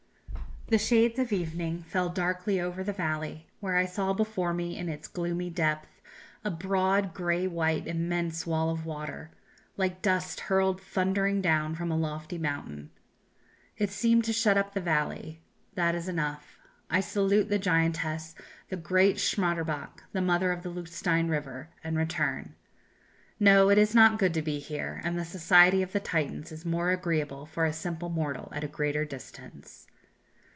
The shades of evening fell darkly over the valley, where I saw before me, in its gloomy depth, a broad, grey white, immense wall of water, like dust hurled thundering down from a lofty mountain. It seemed to shut up the valley. That is enough. I salute the giantess, the great Schmadribach, the mother of the Lutschine river, and return. No, it is not good to be here, and the society of the Titans is more agreeable for a simple mortal at a greater distance!...